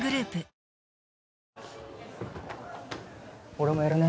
俺もやるね。